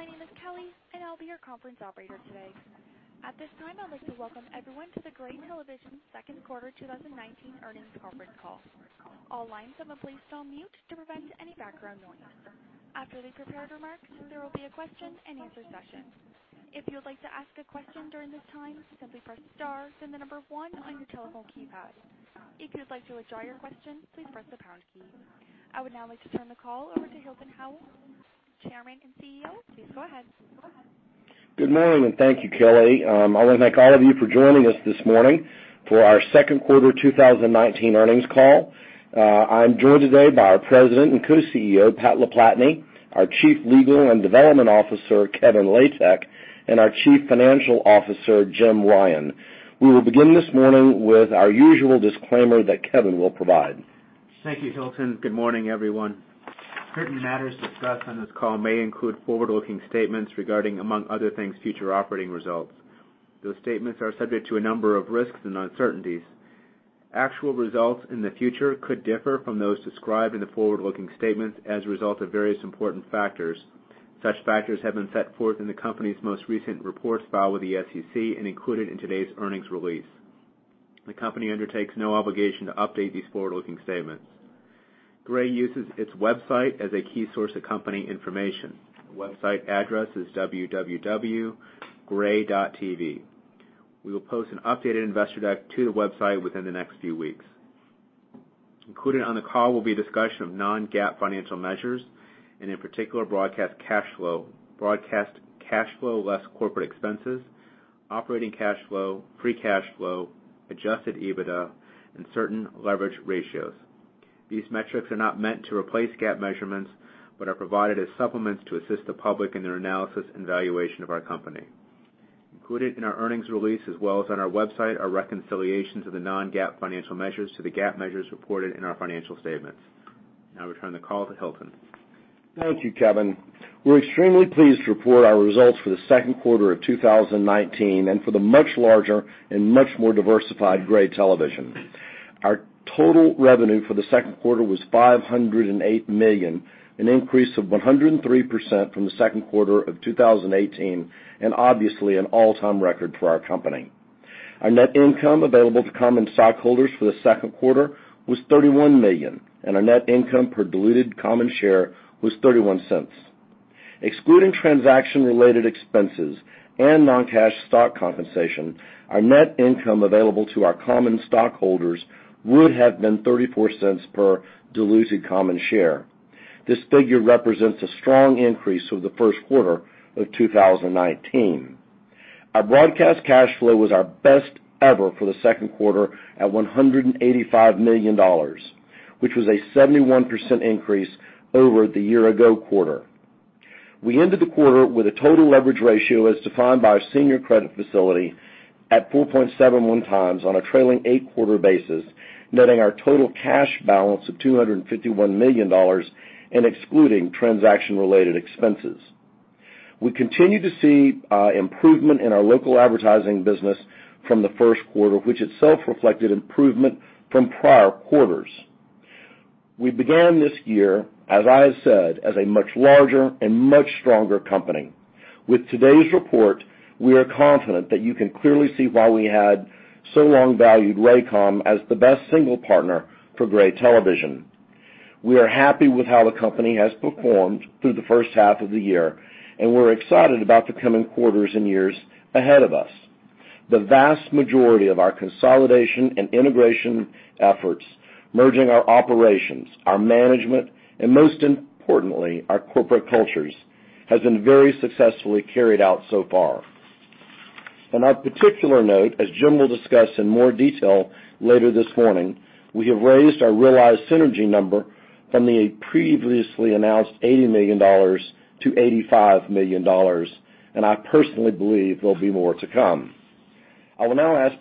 Good morning. My name is Kelly, and I'll be your conference operator today. At this time, I'd like to welcome everyone to the Gray Television second quarter 2019 earnings conference call. All lines have been placed on mute to prevent any background noise. After the prepared remarks, there will be a question and answer session. If you would like to ask a question during this time, simply press star, then the number one on your telephone keypad. If you'd like to withdraw your question, please press the pound key. I would now like to turn the call over to Hilton Howell, Chairman and CEO. Please go ahead. Good morning. Thank you, Kelly. I want to thank all of you for joining us this morning for our second quarter 2019 earnings call. I'm joined today by our President and Co-CEO, Pat LaPlatney, our Chief Legal and Development Officer, Kevin Latek, and our Chief Financial Officer, Jim Ryan. We will begin this morning with our usual disclaimer that Kevin will provide. Thank you, Hilton. Good morning, everyone. Certain matters discussed on this call may include forward-looking statements regarding, among other things, future operating results. Those statements are subject to a number of risks and uncertainties. Actual results in the future could differ from those described in the forward-looking statements as a result of various important factors. Such factors have been set forth in the company's most recent reports filed with the SEC and included in today's earnings release. The company undertakes no obligation to update these forward-looking statements. Gray uses its website as a key source of company information. The website address is www.gray.tv. We will post an updated investor deck to the website within the next few weeks. Included on the call will be a discussion of non-GAAP financial measures and in particular Broadcast Cash Flow, Broadcast Cash Flow less corporate expenses, Operating Cash Flow, free cash flow, Adjusted EBITDA, and certain leverage ratios. These metrics are not meant to replace GAAP measurements but are provided as supplements to assist the public in their analysis and valuation of our company. Included in our earnings release as well as on our website are reconciliations of the non-GAAP financial measures to the GAAP measures reported in our financial statements. We turn the call to Hilton. Thank you, Kevin. We're extremely pleased to report our results for the second quarter of 2019 and for the much larger and much more diversified Gray Television. Our total revenue for the second quarter was $508 million, an increase of 103% from the second quarter of 2018, and obviously an all-time record for our company. Our net income available to common stockholders for the second quarter was $31 million, and our net income per diluted common share was $0.31. Excluding transaction-related expenses and non-cash stock compensation, our net income available to our common stockholders would have been $0.34 per diluted common share. This figure represents a strong increase over the first quarter of 2019. Our Broadcast Cash Flow was our best ever for the second quarter at $185 million, which was a 71% increase over the year ago quarter. We ended the quarter with a total leverage ratio as defined by our senior credit facility at 4.71 times on a trailing eight-quarter basis, netting our total cash balance of $251 million and excluding transaction-related expenses. We continue to see improvement in our local advertising business from the first quarter, which itself reflected improvement from prior quarters. We began this year, as I have said, as a much larger and much stronger company. With today's report, we are confident that you can clearly see why we had so long valued Raycom as the best single partner for Gray Television. We are happy with how the company has performed through the first half of the year, and we're excited about the coming quarters and years ahead of us. The vast majority of our consolidation and integration efforts, merging our operations, our management, and most importantly, our corporate cultures, has been very successfully carried out so far. On a particular note, as Jim will discuss in more detail later this morning, we have raised our realized synergy number from the previously announced $80 million to $85 million, and I personally believe there'll be more to come. I will now ask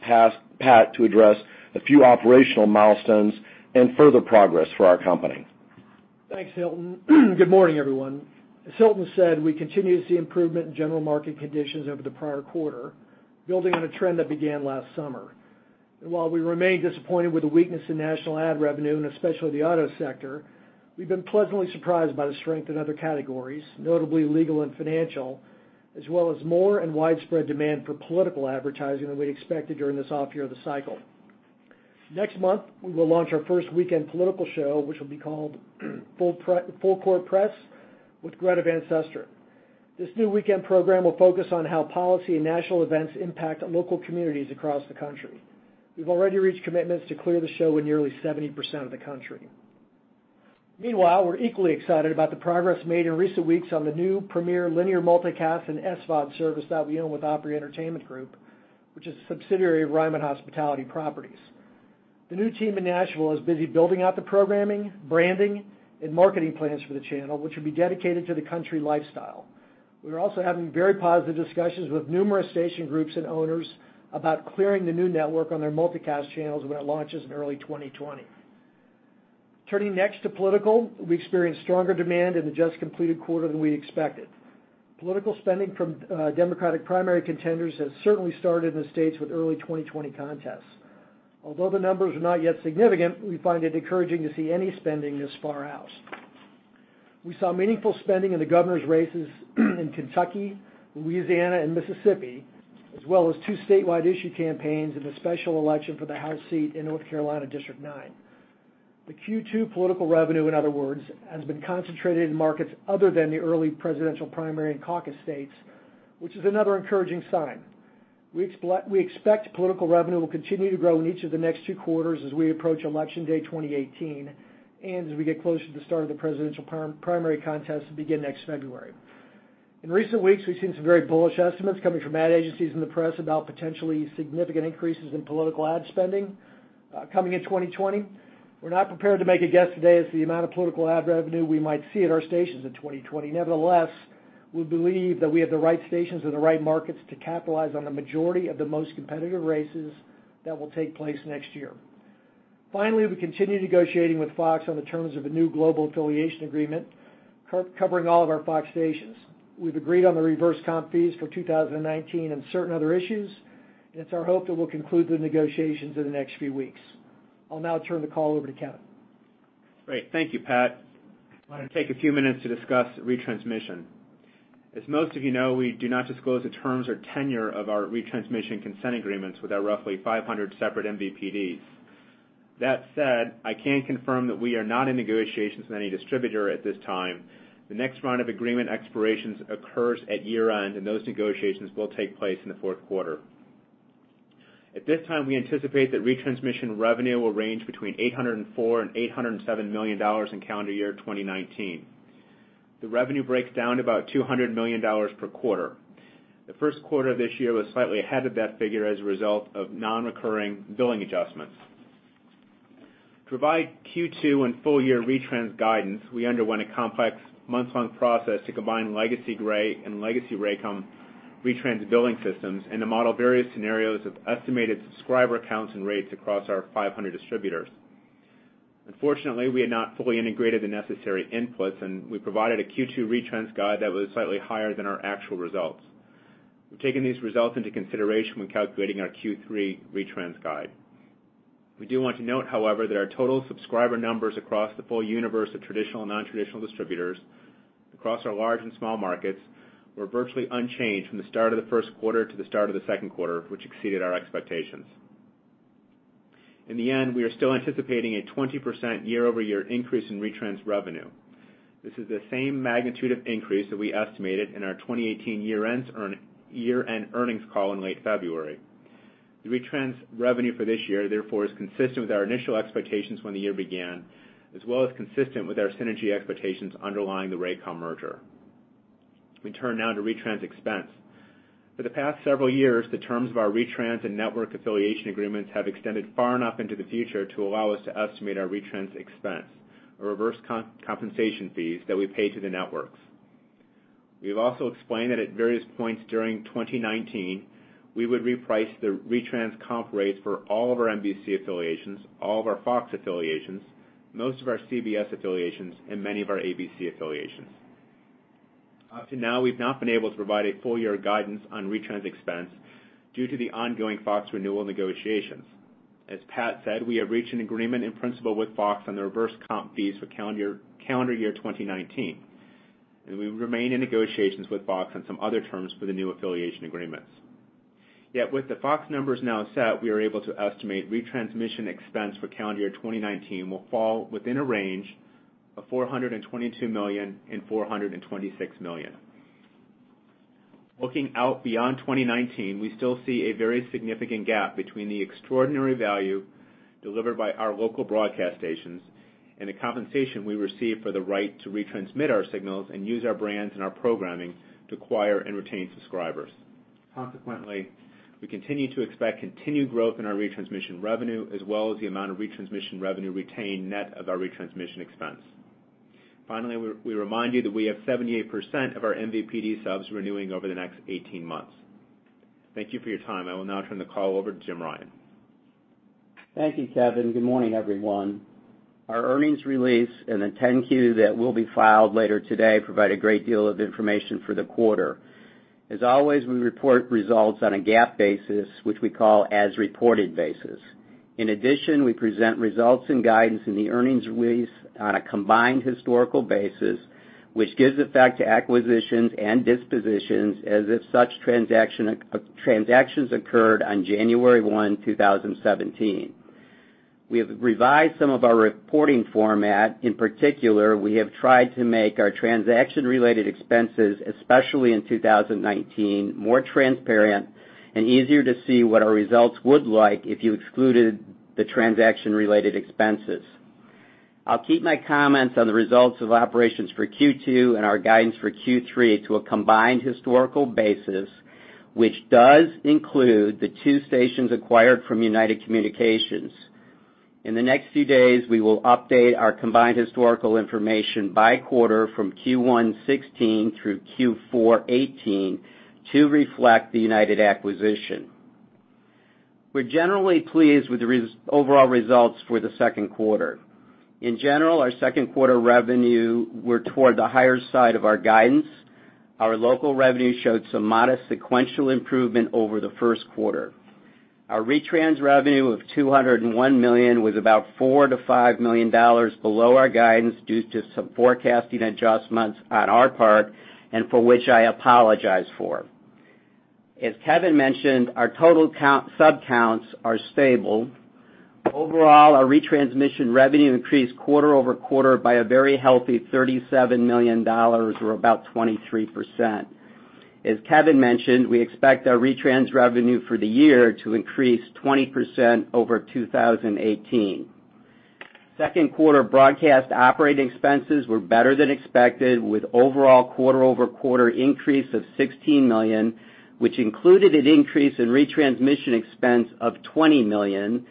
Pat to address a few operational milestones and further progress for our company. Thanks, Hilton. Good morning, everyone. As Hilton said, we continue to see improvement in general market conditions over the prior quarter, building on a trend that began last summer. While we remain disappointed with the weakness in national ad revenue and especially the auto sector, we've been pleasantly surprised by the strength in other categories, notably legal and financial, as well as more and widespread demand for political advertising than we'd expected during this off year of the cycle. Next month, we will launch our first weekend political show, which will be called "Full Court Press with Greta Van Susteren." This new weekend program will focus on how policy and national events impact local communities across the country. We've already reached commitments to clear the show in nearly 70% of the country. Meanwhile, we're equally excited about the progress made in recent weeks on the new premier linear multicast and SVOD service that we own with Opry Entertainment Group, which is a subsidiary of Ryman Hospitality Properties. The new team in Nashville is busy building out the programming, branding, and marketing plans for the channel, which will be dedicated to the country lifestyle. We are also having very positive discussions with numerous station groups and owners about clearing the new network on their multicast channels when it launches in early 2020. Turning next to political, we experienced stronger demand in the just completed quarter than we expected. Political spending from Democratic primary contenders has certainly started in the States with early 2020 contests. Although the numbers are not yet significant, we find it encouraging to see any spending this far out. We saw meaningful spending in the governor's races in Kentucky, Louisiana, and Mississippi, as well as two statewide issue campaigns and a special election for the House seat in North Carolina District 9. The Q2 political revenue, in other words, has been concentrated in markets other than the early presidential primary and caucus states, which is another encouraging sign. We expect political revenue will continue to grow in each of the next two quarters as we approach election day 2020, and as we get closer to the start of the presidential primary contest to begin next February. In recent weeks, we've seen some very bullish estimates coming from ad agencies in the press about potentially significant increases in political ad spending coming in 2020. We're not prepared to make a guess today as to the amount of political ad revenue we might see at our stations in 2020. Nevertheless, we believe that we have the right stations and the right markets to capitalize on the majority of the most competitive races that will take place next year. Finally, we continue negotiating with Fox on the terms of a new global affiliation agreement covering all of our Fox stations. We've agreed on the reverse comp fees for 2019 and certain other issues. It's our hope that we'll conclude the negotiations in the next few weeks. I'll now turn the call over to Kevin. Great, thank you, Pat. I want to take a few minutes to discuss retransmission. As most of you know, we do not disclose the terms or tenure of our retransmission consent agreements with our roughly 500 separate MVPDs. That said, I can confirm that we are not in negotiations with any distributor at this time. The next round of agreement expirations occurs at year-end, and those negotiations will take place in the fourth quarter. At this time, we anticipate that retransmission revenue will range between $804 and $807 million in calendar year 2019. The revenue breaks down to about $200 million per quarter. The first quarter of this year was slightly ahead of that figure as a result of non-recurring billing adjustments. To provide Q2 and full year retrans guidance, we underwent a complex months-long process to combine legacy Gray and legacy Raycom retrans billing systems and to model various scenarios of estimated subscriber counts and rates across our 500 distributors. Unfortunately, we had not fully integrated the necessary inputs. We provided a Q2 retrans guide that was slightly higher than our actual results. We've taken these results into consideration when calculating our Q3 retrans guide. We do want to note, however, that our total subscriber numbers across the full universe of traditional and non-traditional distributors across our large and small markets were virtually unchanged from the start of the first quarter to the start of the second quarter, which exceeded our expectations. In the end, we are still anticipating a 20% year-over-year increase in retrans revenue. This is the same magnitude of increase that we estimated in our 2018 year-end earnings call in late February. The retrans revenue for this year, therefore, is consistent with our initial expectations when the year began, as well as consistent with our synergy expectations underlying the Raycom merger. We turn now to retrans expense. For the past several years, the terms of our retrans and network affiliation agreements have extended far enough into the future to allow us to estimate our retrans expense, or reverse compensation fees that we pay to the networks. We've also explained that at various points during 2019, we would reprice the retrans comp rates for all of our NBC affiliations, all of our Fox affiliations, most of our CBS affiliations, and many of our ABC affiliations. Up to now, we've not been able to provide a full year guidance on retrans expense due to the ongoing Fox renewal negotiations. As Pat said, we have reached an agreement in principle with Fox on the reverse comp fees for calendar year 2019, and we remain in negotiations with Fox on some other terms for the new affiliation agreements. With the Fox numbers now set, we are able to estimate retransmission expense for calendar year 2019 will fall within a range of $422 million and $426 million. Looking out beyond 2019, we still see a very significant gap between the extraordinary value delivered by our local broadcast stations and the compensation we receive for the right to retransmit our signals and use our brands and our programming to acquire and retain subscribers. Consequently, we continue to expect continued growth in our retransmission revenue as well as the amount of retransmission revenue retained net of our retransmission expense. Finally, we remind you that we have 78% of our MVPD subs renewing over the next 18 months. Thank you for your time. I will now turn the call over to Jim Ryan. Thank you, Kevin. Good morning, everyone. Our earnings release the 10-Q that will be filed later today provide a great deal of information for the quarter. As always, we report results on a GAAP basis, which we call as reported basis. In addition, we present results and guidance in the earnings release on a combined historical basis, which gives effect to acquisitions and dispositions as if such transactions occurred on January 1, 2017. We have revised some of our reporting format. In particular, we have tried to make our transaction-related expenses, especially in 2019, more transparent and easier to see what our results would look like if you excluded the transaction-related expenses. I'll keep my comments on the results of operations for Q2 and our guidance for Q3 to a combined historical basis, which does include the two stations acquired from United Communications. In the next few days, we will update our combined historical information by quarter from Q1 2016 through Q4 2018 to reflect the United acquisition. We're generally pleased with the overall results for the second quarter. In general, our second quarter revenue were toward the higher side of our guidance. Our local revenue showed some modest sequential improvement over the first quarter. Our retrans revenue of $201 million was about $4 million-$5 million below our guidance due to some forecasting adjustments on our part, and for which I apologize for. As Kevin mentioned, our total sub counts are stable. Overall, our retransmission revenue increased quarter-over-quarter by a very healthy $37 million or about 23%. As Kevin mentioned, we expect our retrans revenue for the year to increase 20% over 2018. Second quarter broadcast operating expenses were better than expected, with overall quarter-over-quarter increase of $16 million, which included an increase in retransmission expense of $20 million,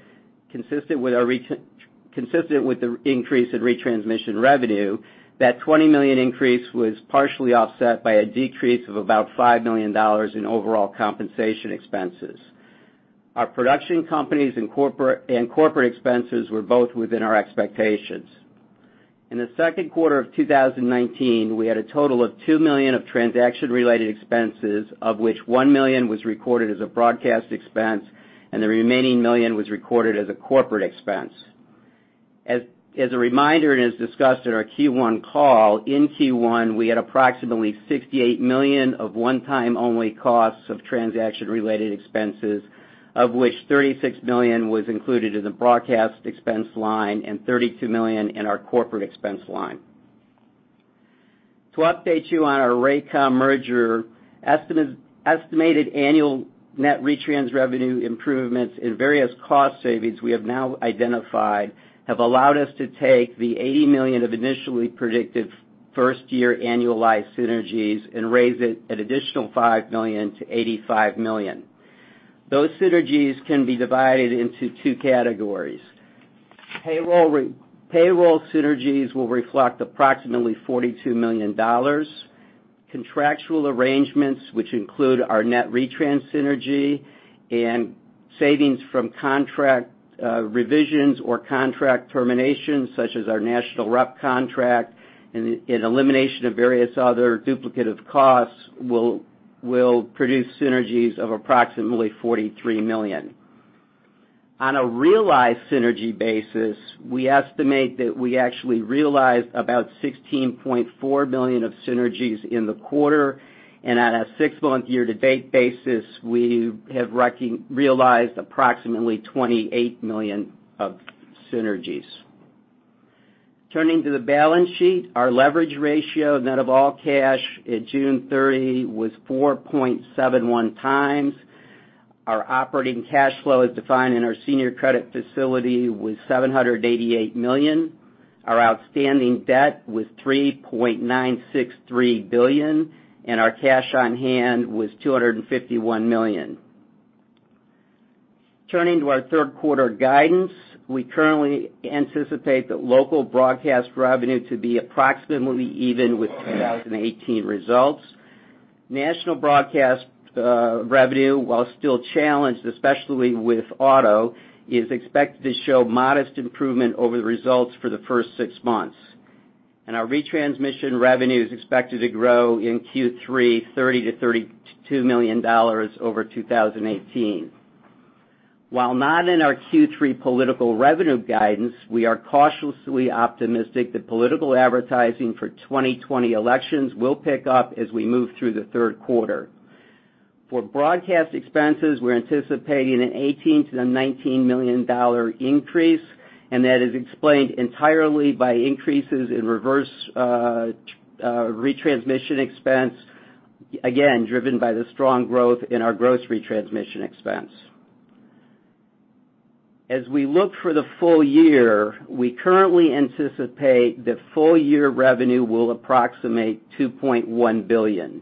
consistent with the increase in retransmission revenue. That $20 million increase was partially offset by a decrease of about $5 million in overall compensation expenses. Our production companies and corporate expenses were both within our expectations. In the second quarter of 2019, we had a total of $2 million of transaction-related expenses, of which $1 million was recorded as a broadcast expense, and the remaining $1 million was recorded as a corporate expense. As a reminder, as discussed in our Q1 call, in Q1, we had approximately $68 million of one-time only costs of transaction-related expenses, of which $36 million was included in the broadcast expense line and $32 million in our corporate expense line. To update you on our Raycom merger, estimated annual net retrans revenue improvements and various cost savings we have now identified have allowed us to take the $80 million of initially predicted first-year annualized synergies and raise it an additional $5 million to $85 million. Those synergies can be divided into 2 categories. Payroll synergies will reflect approximately $42 million. Contractual arrangements, which include our net retrans synergy and savings from contract revisions or contract terminations, such as our national rep contract and elimination of various other duplicative costs, will produce synergies of approximately $43 million. On a realized synergy basis, we estimate that we actually realized about $16.4 million of synergies in the quarter, and on a six-month year-to-date basis, we have realized approximately $28 million of synergies. Turning to the balance sheet, our leverage ratio net of all cash at June 30 was 4.71 times. Our Operating Cash Flow as defined in our senior credit facility was $788 million. Our outstanding debt was $3.963 billion, and our cash on hand was $251 million. Turning to our third quarter guidance, we currently anticipate the local broadcast revenue to be approximately even with 2018 results. National broadcast revenue, while still challenged especially with auto, is expected to show modest improvement over the results for the first six months. Our retransmission revenue is expected to grow in Q3 $30 million-$32 million over 2018. While not in our Q3 political revenue guidance, we are cautiously optimistic that political advertising for 2020 elections will pick up as we move through the third quarter. For broadcast expenses, we're anticipating an $18 million-$19 million increase, and that is explained entirely by increases in reverse retransmission expense, again, driven by the strong growth in our gross retransmission expense. As we look for the full year, we currently anticipate that full year revenue will approximate $2.1 billion.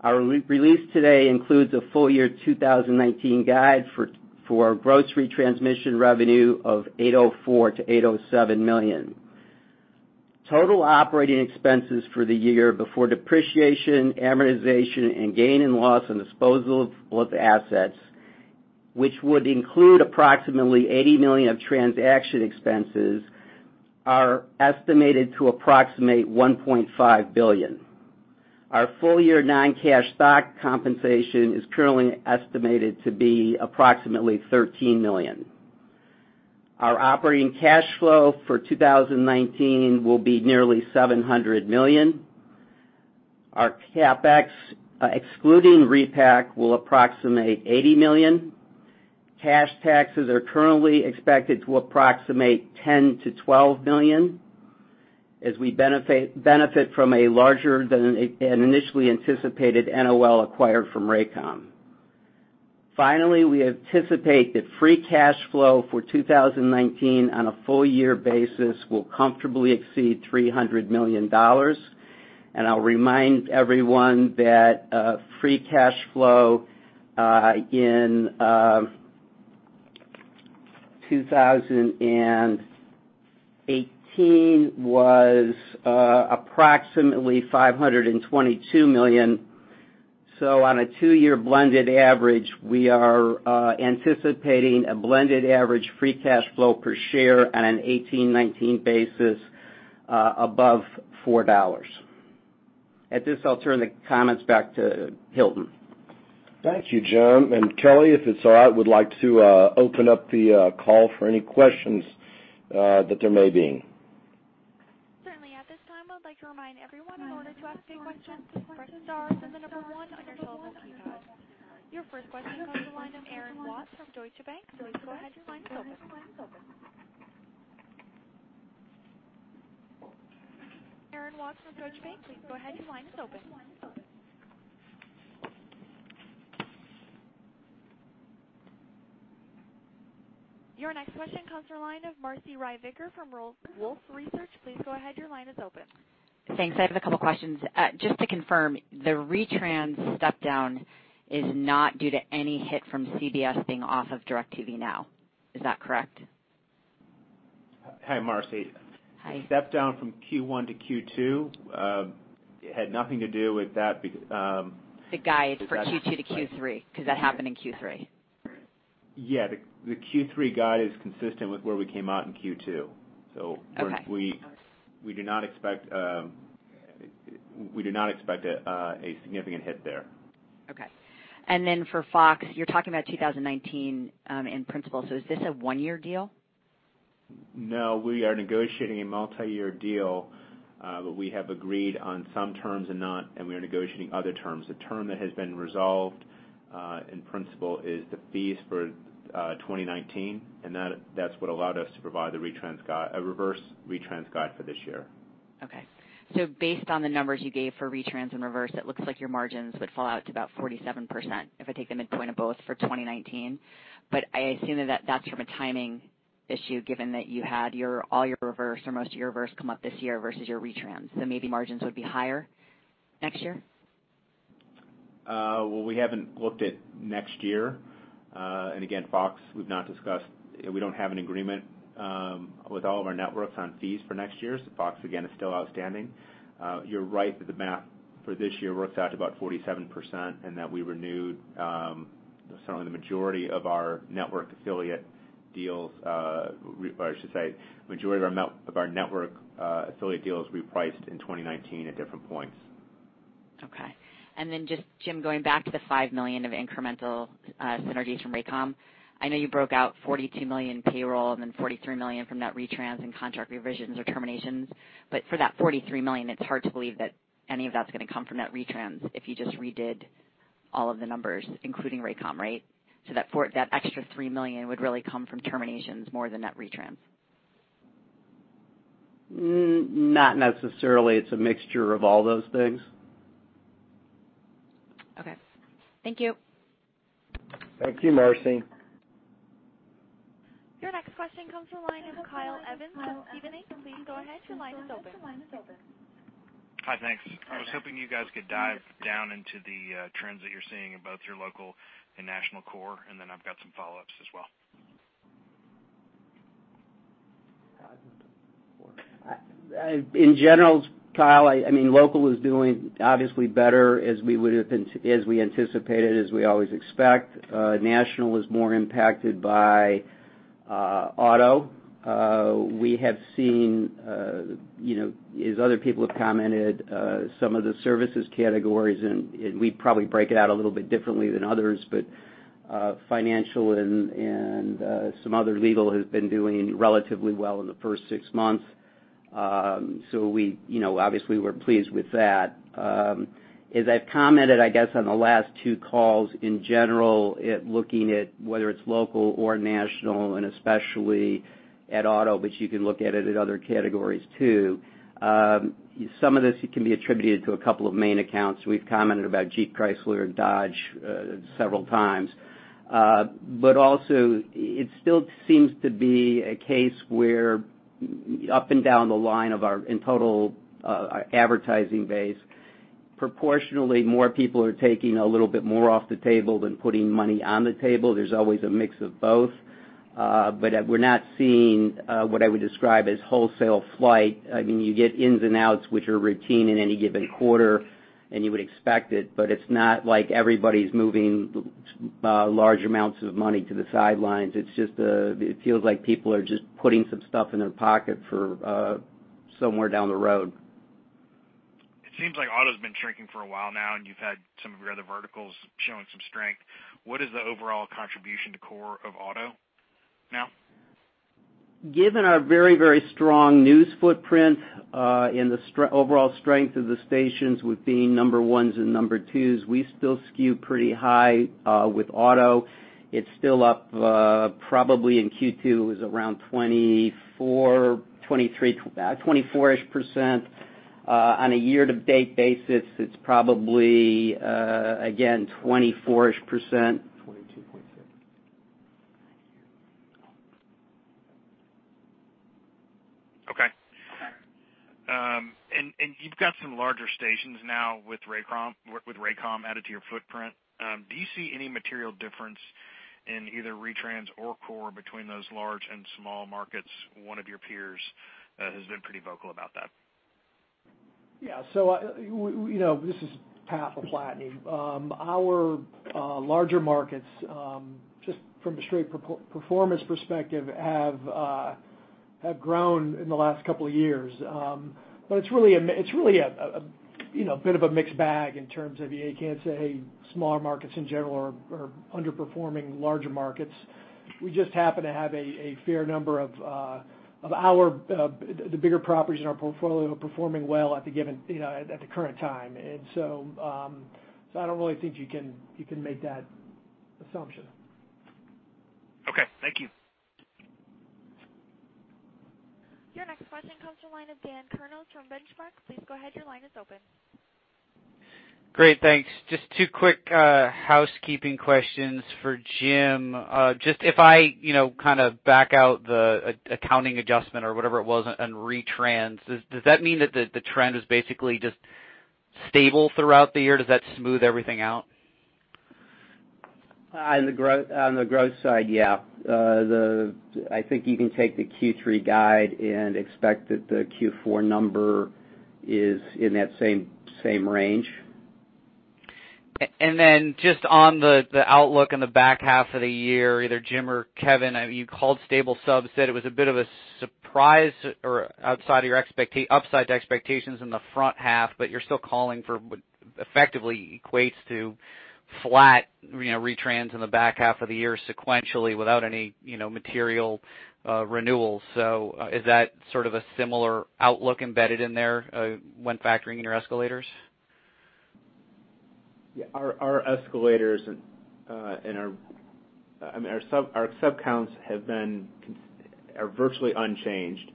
Our release today includes a full-year 2019 guide for our gross retransmission revenue of $804 million-$807 million. Total operating expenses for the year before depreciation, amortization, and gain and loss on disposal of assets, which would include approximately $80 million of transaction expenses, are estimated to approximate $1.5 billion. Our full-year non-cash stock compensation is currently estimated to be approximately $13 million. Our Operating Cash Flow for 2019 will be nearly $700 million. Our CapEx, excluding repack, will approximate $80 million. Cash taxes are currently expected to approximate $10 million-$12 million as we benefit from a larger than initially anticipated NOL acquired from Raycom. Finally, we anticipate that free cash flow for 2019 on a full year basis will comfortably exceed $300 million. I'll remind everyone that free cash flow in 2018 was approximately $522 million. On a two-year blended average, we are anticipating a blended average free cash flow per share on a 2018-2019 basis above $4. At this, I'll turn the comments back to Hilton. Thank you, Jim. Kelly, if it's all right, we'd like to open up the call for any questions that there may be. Certainly. At this time, I would like to remind everyone, in order to ask a question, press star, then the number one on your telephone keypad. Your first question comes the line of Aaron Watts from Deutsche Bank. Please go ahead, your line is open. Aaron Watts from Deutsche Bank, please go ahead, your line is open. Your next question comes from the line of Marci Ryvicker from Wolfe Research. Please go ahead, your line is open. Thanks. I have a couple questions. Just to confirm, the retrans step-down is not due to any hit from CBS being off of DIRECTV NOW. Is that correct? Hi, Marci. Hi. The step-down from Q1 to Q2 had nothing to do with that. The guide for Q2 to Q3, because that happened in Q3. Yeah. The Q3 guide is consistent with where we came out in Q2. Okay. We do not expect a significant hit there. Okay. For Fox, you're talking about 2019 in principle. Is this a one-year deal? No, we are negotiating a multi-year deal, but we have agreed on some terms and not, and we are negotiating other terms. The term that has been resolved, in principle, is the fees for 2019, and that's what allowed us to provide the reverse retrans guide for this year. Based on the numbers you gave for retrans and reverse, it looks like your margins would fall out to about 47%, if I take the midpoint of both for 2019. I assume that that's from a timing issue, given that you had all your reverse or most of your reverse come up this year versus your retrans. Maybe margins would be higher next year? Well, we haven't looked at next year. Again, Fox, we don't have an agreement with all of our networks on fees for next year. Fox, again, is still outstanding. You're right that the math for this year works out to about 47%, and that we renewed certainly the majority of our network affiliate deals. I should say, majority of our network affiliate deals repriced in 2019 at different points. Okay. Just, Jim, going back to the $5 million of incremental synergies from Raycom. I know you broke out $42 million payroll and then $43 million from net retrans and contract revisions or terminations. For that $43 million, it's hard to believe that any of that's going to come from net retrans if you just redid all of the numbers, including Raycom, right? That extra $3 million would really come from terminations more than net retrans. Not necessarily. It's a mixture of all those things. Okay. Thank you. Thank you, Marci. Your next question comes from the line of Kyle Evans from Stephens Inc. Please go ahead, your line is open. Hi, thanks. I was hoping you guys could dive down into the trends that you're seeing in both your local and national core, and then I've got some follow-ups as well. In general, Kyle, local is doing obviously better as we anticipated, as we always expect. National is more impacted by auto. We have seen, as other people have commented, some of the services categories, and we probably break it out a little bit differently than others, but financial and some other legal has been doing relatively well in the first six months. Obviously, we're pleased with that. As I've commented, I guess, on the last two calls, in general, looking at whether it's local or national, and especially at auto, but you can look at it at other categories, too. Some of this can be attributed to a couple of main accounts. We've commented about Jeep, Chrysler, Dodge several times. Also, it still seems to be a case where up and down the line of our, in total, advertising base, proportionally more people are taking a little bit more off the table than putting money on the table. There's always a mix of both. We're not seeing what I would describe as wholesale flight. You get ins and outs, which are routine in any given quarter, and you would expect it, but it's not like everybody's moving large amounts of money to the sidelines. It feels like people are just putting some stuff in their pocket for somewhere down the road. It seems like auto's been shrinking for a while now, and you've had some of your other verticals showing some strength. What is the overall contribution to core of auto now? Given our very strong news footprint, and the overall strength of the stations with being number 1s and number 2s, we still skew pretty high with auto. It's still up probably in Q2. It was around 24%-ish. On a year-to-date basis, it's probably, again, 24%-ish %. 22.6. Okay. You've got some larger stations now with Raycom added to your footprint. Do you see any material difference in either retrans or core between those large and small markets, one of your peers has been pretty vocal about that. Yeah. This is Pat LaPlatney. Our larger markets, just from a straight performance perspective, have grown in the last couple of years. It's really a bit of a mixed bag in terms of, you can't say smaller markets in general are underperforming larger markets. We just happen to have a fair number of the bigger properties in our portfolio are performing well at the current time. I don't really think you can make that assumption. Okay. Thank you. Your next question comes from the line of Dan Kurnos from Benchmark. Please go ahead, your line is open. Great, thanks. Just two quick housekeeping questions for Jim. Just if I back out the accounting adjustment or whatever it was on retrans, does that mean that the trend is basically just stable throughout the year? Does that smooth everything out? On the growth side, yeah. I think you can take the Q3 guide and expect that the Q4 number is in that same range. Just on the outlook in the back half of the year, either Jim or Kevin, you called stable subs, said it was a bit of a surprise or upside to expectations in the front half, but you're still calling for what effectively equates to flat retrans in the back half of the year sequentially without any material renewals. Is that sort of a similar outlook embedded in there when factoring in your escalators? Yeah, our sub counts are virtually unchanged.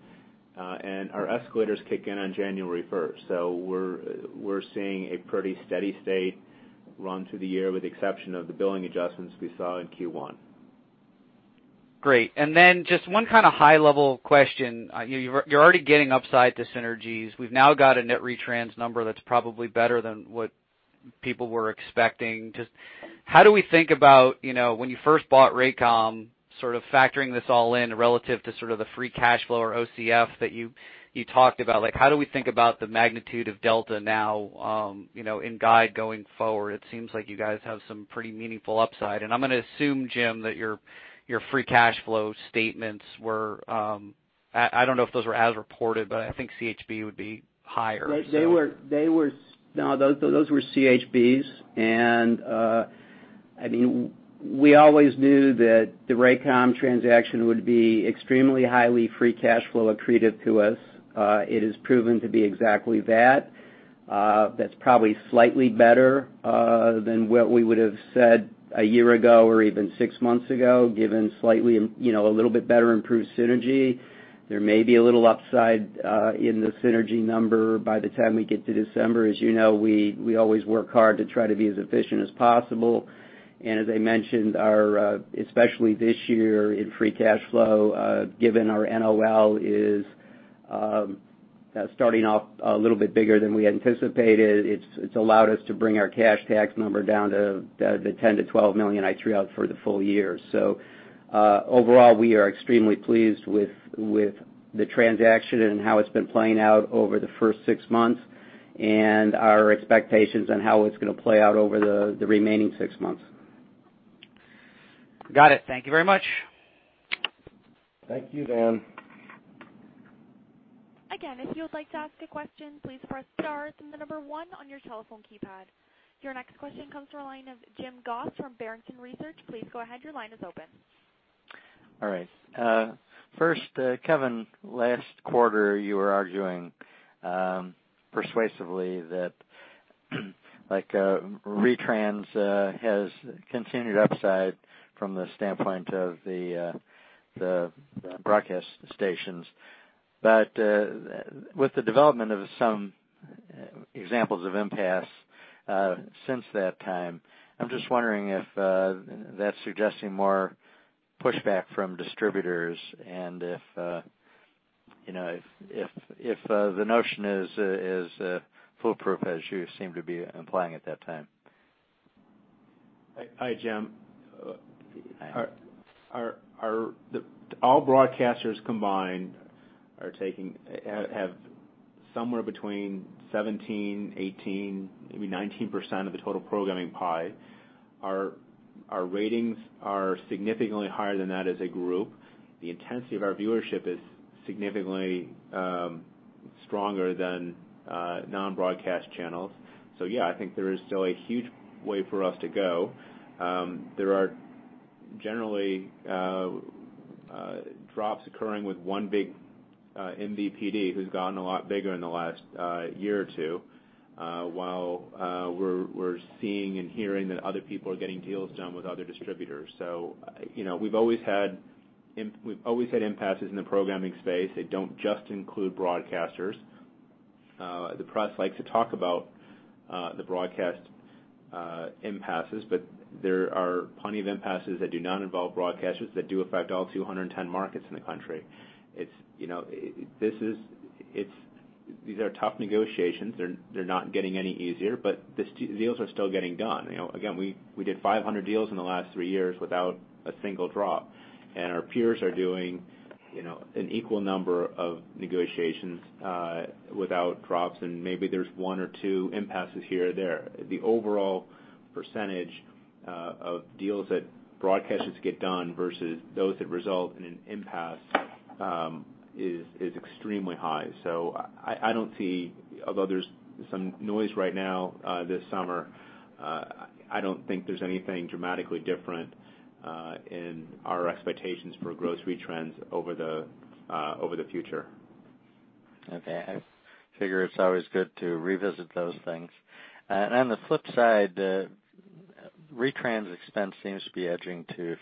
Our escalators kick in on January 1st. We're seeing a pretty steady state run through the year with the exception of the billing adjustments we saw in Q1. Great. Then just one high-level question. You're already getting upside to synergies. We've now got a net retrans number that's probably better than what people were expecting. Just how do we think about when you first bought Raycom, sort of factoring this all in relative to sort of the free cash flow or OCF that you talked about? How do we think about the magnitude of delta now in guide going forward? It seems like you guys have some pretty meaningful upside. I'm going to assume, Jim, that your free cash flow statements I don't know if those were as reported, but I think CHB would be higher. No, those were CHBs, and we always knew that the Raycom transaction would be extremely highly free cash flow accretive to us. It has proven to be exactly that. That's probably slightly better than what we would have said a year ago or even six months ago, given a little bit better improved synergy. There may be a little upside in the synergy number by the time we get to December. As you know, we always work hard to try to be as efficient as possible, and as I mentioned, especially this year in free cash flow, given our NOL is starting off a little bit bigger than we had anticipated, it's allowed us to bring our cash tax number down to the $10 million-$12 million I threw out for the full year. Overall, we are extremely pleased with the transaction and how it's been playing out over the first six months and our expectations on how it's going to play out over the remaining six months. Got it. Thank you very much. Thank you, Dan. Again, if you would like to ask a question, please press star then the number one on your telephone keypad. Your next question comes from the line of James Goss from Barrington Research. Please go ahead. Your line is open. All right. First, Kevin, last quarter you were arguing persuasively that retrans has continued upside from the standpoint of the broadcast stations. With the development of some examples of impasse since that time, I'm just wondering if that's suggesting more pushback from distributors and if the notion is foolproof as you seem to be implying at that time. Hi, Jim. Hi. All broadcasters combined have somewhere between 17%, 18%, maybe 19% of the total programming pie. Our ratings are significantly higher than that as a group. The intensity of our viewership is significantly stronger than non-broadcast channels. Yeah, I think there is still a huge way for us to go. There are generally drops occurring with one big MVPD who's gotten a lot bigger in the last year or two, while we're seeing and hearing that other people are getting deals done with other distributors. We've always had impasses in the programming space. They don't just include broadcasters. The press likes to talk about the broadcast impasses, there are plenty of impasses that do not involve broadcasters that do affect all 210 markets in the country. These are tough negotiations. They're not getting any easier, these deals are still getting done. We did 500 deals in the last three years without a single drop. Our peers are doing an equal number of negotiations without drops, and maybe there's one or two impasses here or there. The overall percentage of deals that broadcasters get done versus those that result in an impasse is extremely high. Although there's some noise right now this summer, I don't think there's anything dramatically different in our expectations for gross retrans over the future. Okay. I figure it's always good to revisit those things. On the flip side, retrans expense seems to be edging to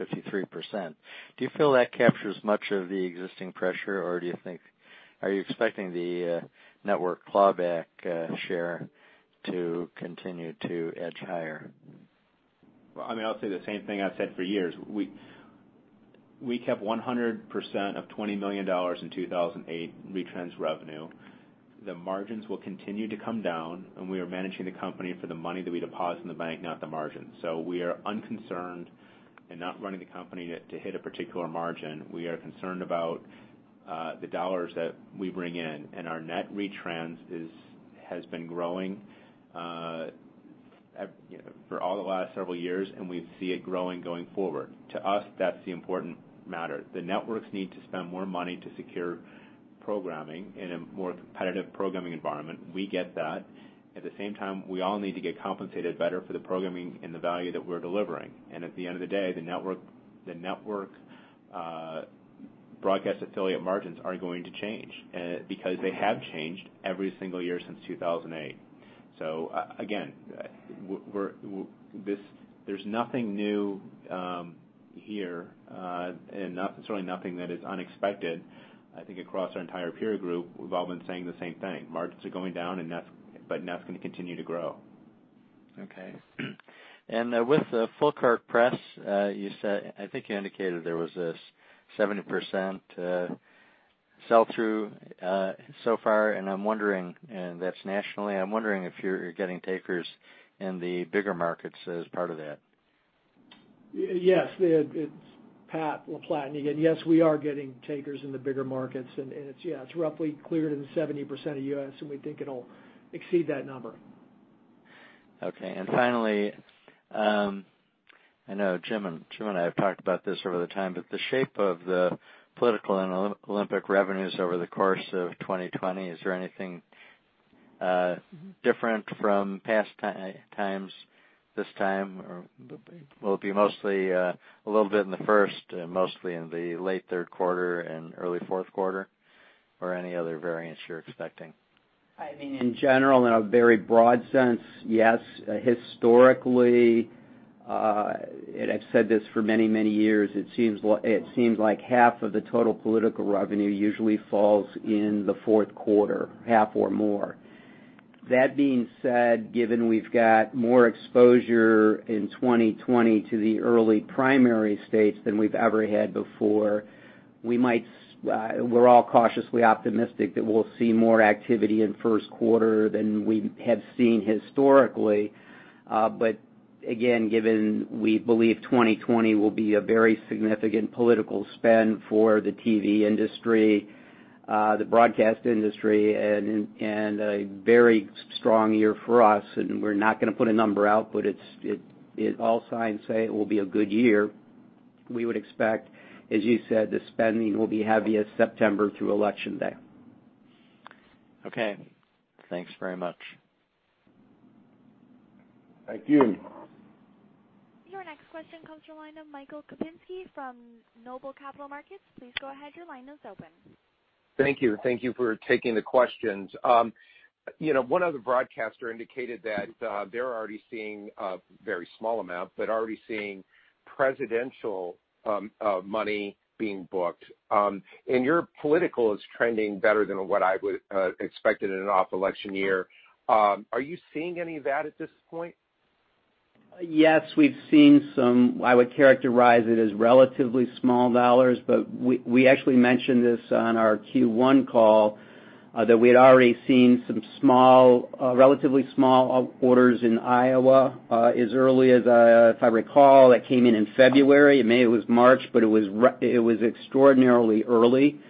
52.5%-53%. Do you feel that captures much of the existing pressure, or are you expecting the network clawback share to continue to edge higher? I'll say the same thing I've said for years. We kept 100% of $20 million in 2008 retrans revenue. The margins will continue to come down. We are managing the company for the money that we deposit in the bank, not the margin. We are unconcerned and not running the company to hit a particular margin. We are concerned about the dollars that we bring in. Our net retrans has been growing for all the last several years, and we see it growing going forward. To us, that's the important matter. The networks need to spend more money to secure programming in a more competitive programming environment. We get that. At the same time, we all need to get compensated better for the programming and the value that we're delivering. At the end of the day, the networks' broadcast affiliate margins are going to change because they have changed every single year since 2008. Again, there's nothing new here, and certainly nothing that is unexpected. I think across our entire peer group, we've all been saying the same thing. Margins are going down but net's going to continue to grow. Okay. With the Full Court Press, I think you indicated there was this 70% sell-through so far, and that's nationally. I'm wondering if you're getting takers in the bigger markets as part of that. Yes, it's Pat LaPlatney again. Yes, we are getting takers in the bigger markets, and it's roughly cleared in 70% of U.S., and we think it'll exceed that number. Okay. Finally, I know Jim and I have talked about this over the time, but the shape of the political and Olympic revenues over the course of 2020, is there anything different from past times this time? Will it be mostly a little bit in the first, mostly in the late third quarter and early fourth quarter? Any other variance you're expecting? In general, in a very broad sense, yes. Historically, and I've said this for many years, it seems like half of the total political revenue usually falls in the fourth quarter, half or more. That being said, given we've got more exposure in 2020 to the early primary states than we've ever had before, we're all cautiously optimistic that we'll see more activity in first quarter than we have seen historically. Again, given we believe 2020 will be a very significant political spend for the TV industry, the broadcast industry, and a very strong year for us, and we're not going to put a number out, but all signs say it will be a good year. We would expect, as you said, the spending will be heaviest September through Election Day. Okay. Thanks very much. Thank you. Your next question comes from the line of Michael Kupinski from Noble Capital Markets. Please go ahead, your line is open. Thank you. Thank you for taking the questions. One other broadcaster indicated that they're already seeing a very small amount, but already seeing presidential money being booked. Your political is trending better than what I would expected in an off-election year. Are you seeing any of that at this point? Yes, we've seen some. I would characterize it as relatively small dollars, but we actually mentioned this on our Q1 call, that we had already seen some relatively small orders in Iowa as early as, if I recall, that came in in February. It may was March, but it was extraordinarily early.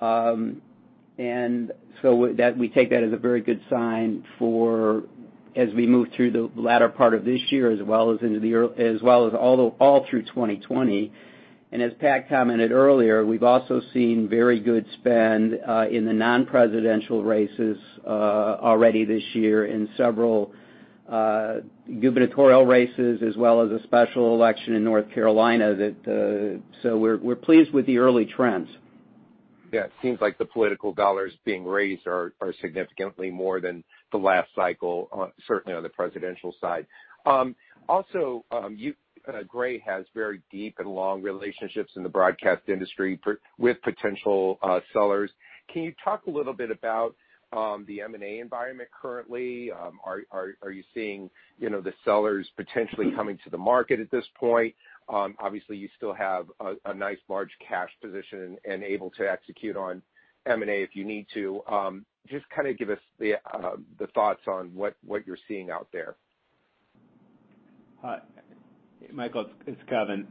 We take that as a very good sign as we move through the latter part of this year, as well as all through 2020. As Pat commented earlier, we've also seen very good spend in the non-presidential races already this year in several gubernatorial races, as well as a special election in North Carolina. We're pleased with the early trends. Yeah. It seems like the political dollars being raised are significantly more than the last cycle, certainly on the presidential side. Gray has very deep and long relationships in the broadcast industry with potential sellers. Can you talk a little bit about the M&A environment currently? Are you seeing the sellers potentially coming to the market at this point? Obviously, you still have a nice large cash position and able to execute on M&A if you need to. Just give us the thoughts on what you're seeing out there. Hi, Michael, it's Kevin.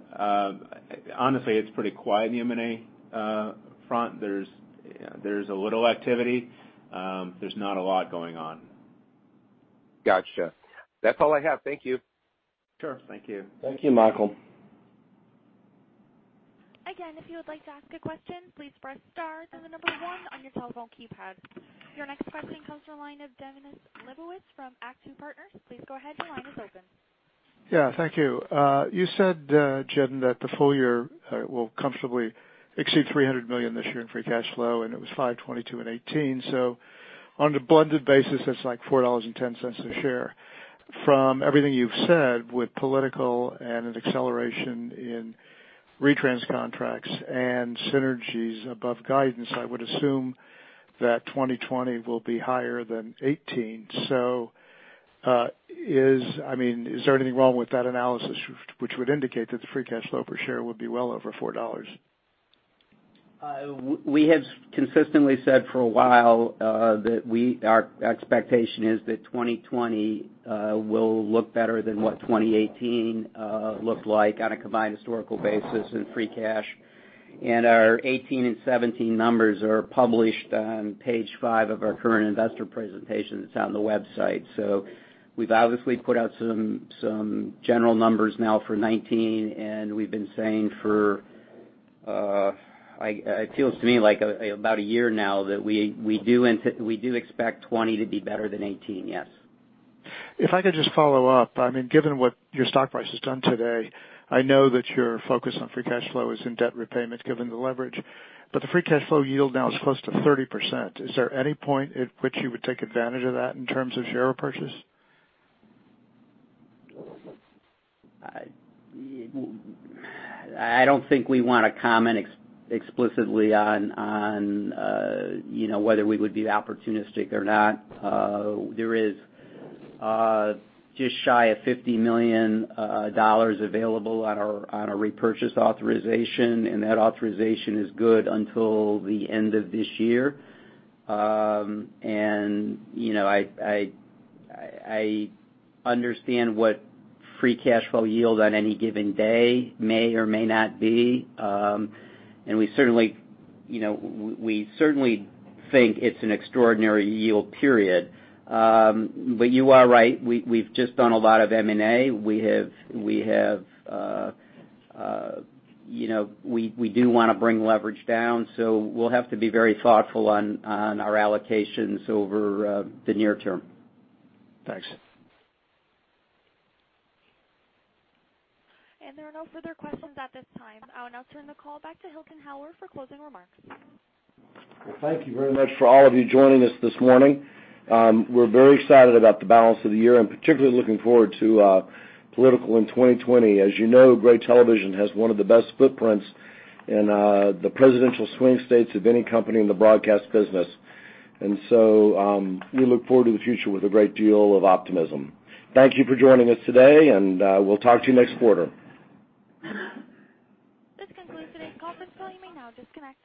Honestly, it's pretty quiet in the M&A front. There's a little activity. There's not a lot going on. Got you. That's all I have. Thank you. Sure. Thank you. Thank you, Michael. Again, if you would like to ask a question, please press star, then the number one on your telephone keypad. Your next question comes from the line of Dennis Leibowitz from Act II Partners. Please go ahead, your line is open. Yeah, thank you. You said, Jim Ryan, that the full year will comfortably exceed $300 million this year in free cash flow, and it was $522 in 2018. On a blended basis, that's like $4.10 a share. From everything you've said with political and an acceleration in retrans contracts and synergies above guidance, I would assume that 2020 will be higher than 2018. Is there anything wrong with that analysis, which would indicate that the free cash flow per share would be well over $4? We have consistently said for a while that our expectation is that 2020 will look better than what 2018 looked like on a combined historical basis in free cash. Our 2018 and 2017 numbers are published on page five of our current investor presentation that's on the website. We've obviously put out some general numbers now for 2019, and we've been saying for, it feels to me like about a year now, that we do expect 2020 to be better than 2018, yes. If I could just follow up, given what your stock price has done today, I know that your focus on free cash flow is in debt repayment given the leverage, but the free cash flow yield now is close to 30%. Is there any point at which you would take advantage of that in terms of share purchase? I don't think we want to comment explicitly on whether we would be opportunistic or not. There is just shy of $50 million available on our repurchase authorization. That authorization is good until the end of this year. I understand what free cash flow yield on any given day may or may not be. We certainly think it's an extraordinary yield period. You are right, we've just done a lot of M&A. We do want to bring leverage down. We'll have to be very thoughtful on our allocations over the near term. Thanks. There are no further questions at this time. I'll now turn the call back to Hilton Howell for closing remarks. Thank you very much for all of you joining us this morning. We're very excited about the balance of the year and particularly looking forward to political in 2020. As you know, Gray Television has one of the best footprints in the presidential swing states of any company in the broadcast business. We look forward to the future with a great deal of optimism. Thank you for joining us today, and we'll talk to you next quarter. This concludes today's conference call. You may now disconnect.